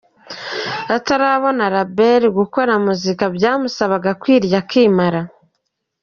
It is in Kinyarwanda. Atarabona ‘Label’, gukora muzika byamusabaga kwirya akimara.